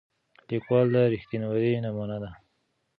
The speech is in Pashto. لیکوال د رښتینولۍ نمونه ده.